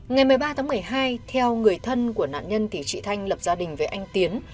ngày một mươi ba tháng một mươi hai theo người thân của nạn nhân thì chị thanh lập gia đình với anh tiến